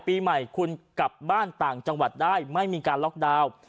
ปีใหม่คุณกลับบ้านต่างจังหวัดได้ไม่มีการล็อกดาวน์